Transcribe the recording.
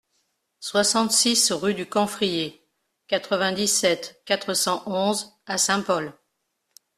soixante-six rue du Camphrier, quatre-vingt-dix-sept, quatre cent onze à Saint-Paul